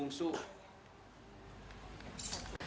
oh ini bungsu